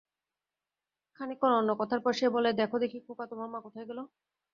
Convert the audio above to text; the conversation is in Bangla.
খানিকক্ষণ অন্য কথার পর সে বলে, দ্যাখ দেখি খোকা তোর মা কোথায় গেল।